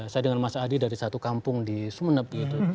saya dengan mas adi dari satu kampung di sumeneb gitu